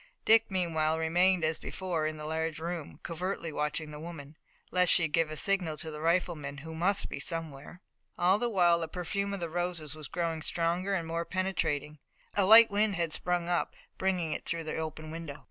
Dick meanwhile remained as before in the large room, covertly watching the woman, lest she give a signal to the rifleman who must be somewhere. All the while the perfume of the roses was growing stronger and more penetrating, a light wind that had sprung up bringing it through the open window.